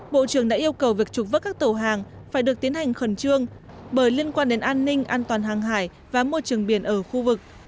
bộ trưởng đã yêu cầu việc trục vất các tàu hàng phải được tiến hành khẩn trương bởi liên quan đến an ninh an toàn hàng hải và môi trường biển ở khu vực